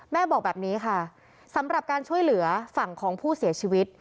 แม่บอกแบบนี้ค่ะสำหรับการช่วยเหลือฝั่งของผู้เสียชีวิต